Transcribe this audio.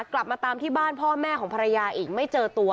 กลับมาตามที่บ้านพ่อแม่ของภรรยาอีกไม่เจอตัว